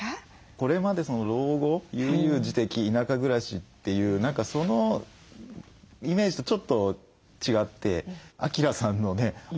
これまで老後悠々自適田舎暮らしっていう何かそのイメージとちょっと違って明さんのね